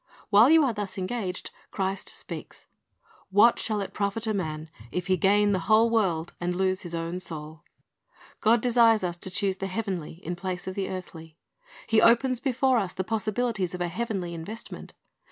While you are thus engaged, Christ speaks: "What shall it profit a man, if he shall gain the whole world, and lose his own soul?"' God desires us to choose the heavenly in place of the earthly. He opens before us the possibilities of a heavenly investment.